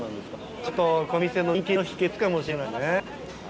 ちょっとこの店の人気の秘けつの一つかもしれないね。